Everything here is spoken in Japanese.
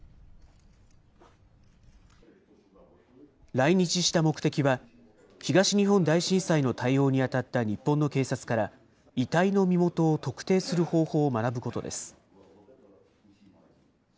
来日した目的は、東日本大震災の対応に当たった日本の警察から、遺体の身元を特定する方法を学ぶことです。